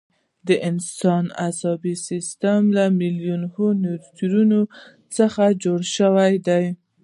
د انسان عصبي سیستم له میلیونونو نیورونونو څخه جوړ شوی دی.